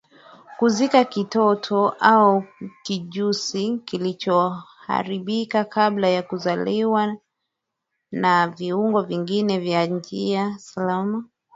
Kuzika kitoto au kijusi kilichoharibika kabla ya kuzaliwa na viungo vingine kwa njia salama